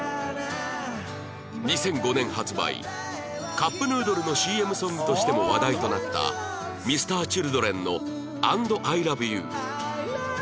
カップヌードルの ＣＭ ソングとしても話題となった Ｍｒ．Ｃｈｉｌｄｒｅｎ の『ａｎｄＩｌｏｖｅｙｏｕ』